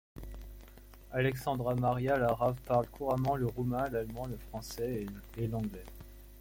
Alexandra Maria Lara parle couramment le roumain, l'allemand, le français et l'anglais.